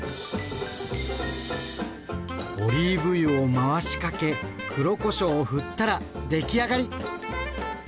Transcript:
オリーブ油を回しかけ黒こしょうをふったら出来上がり。